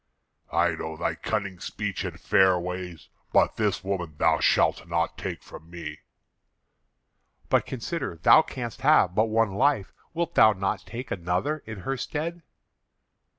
"I know thy cunning speech and fair ways; but this woman thou shalt not take from me." "But consider; thou canst have but one life. Wilt thou not take another in her stead?"